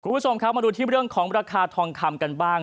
คุณผู้ชมครับมาดูที่เรื่องของราคาทองคำกันบ้าง